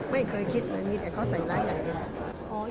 ไม่เคยคิดอะไรมีแต่เขาใส่ร้ายอย่างนี้